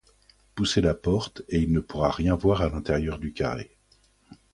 Poussez la porte, et il ne pourra rien voir à l’intérieur du carré.